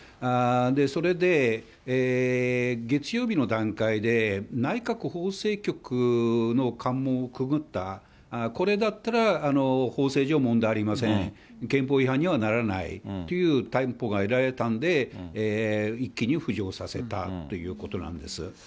それで月曜日の段階で、内閣法制局の関門をくぐった、これだったら、法制上問題ありません、憲法違反にはならないというが得られたので、一気に浮上させたということなんです。